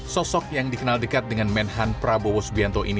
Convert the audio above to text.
sosok yang dikenal dekat dengan menhan prabowo subianto ini